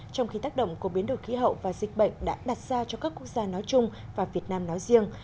trong khi tác động của biến đổi khí hậu và dịch bệnh đã đặt ra cho các quốc gia nói chung và việt nam nói riêng